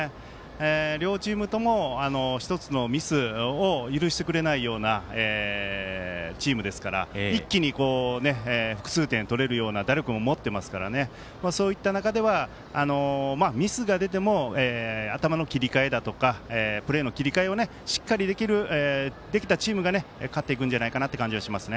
両チームとも１つのミスを許してくれないようなチームですから一気に複数点、取れるような打力も持っていますからそういった中ではミスが出ても頭の切り替えだとかプレーの切り替えをしっかりできたチームが勝っていくんじゃないかという気がします。